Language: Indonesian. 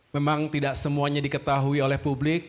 memang tidak semuanya diketahui oleh publik